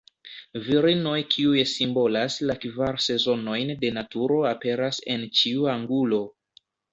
Virinoj kiuj simbolas la kvar sezonojn de naturo aperas en ĉiu angulo.